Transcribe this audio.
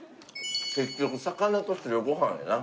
結局魚と白ご飯やな。